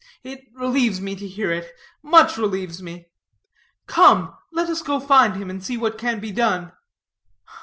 It relieves me to hear it much relieves me. Come, let us go find him, and see what can be done."